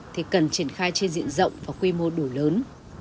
thì cần triển khai trên diện rộng và quy mô đủ lớn